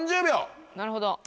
なるほど。